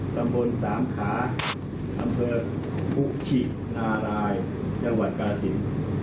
สำบนสามขาดำเภอภุกชินารายจังหวัดกาลสิน